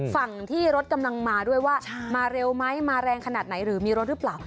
ฝั่งที่รถกำลังมาด้วยว่ามาเร็วไหมมาแรงขนาดไหนหรือมีรถหรือเปล่า